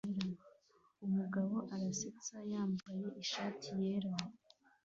Umugabo arasetsa yambaye ishati yera